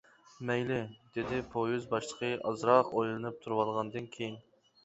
«مەيلى» ، دېدى پويىز باشلىقى ئازراق ئويلىنىپ تۇرۇۋالغاندىن كېيىن.